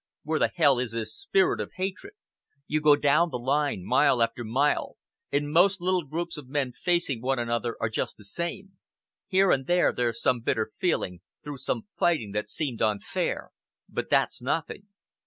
Where the hell is this spirit of hatred? You go down the line, mile after mile, and most little groups of men facing one another are just the same. Here and there, there's some bitter feeling, through some fighting that's seemed unfair, but that's nothing.